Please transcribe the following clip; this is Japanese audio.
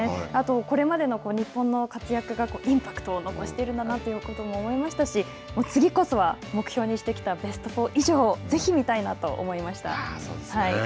これまでの日本の活躍がインパクトを残しているんだなと思いましたし、次こそは目標にしてきたベスト４以上をぜひ見たいなと思いました。